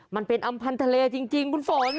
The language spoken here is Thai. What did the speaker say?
มันเป็นอำพันธ์ทะเลจริงคุณฝน